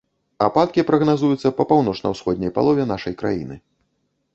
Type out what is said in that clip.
Ападкі прагназуюцца па паўночна-ўсходняй палове нашай краіны.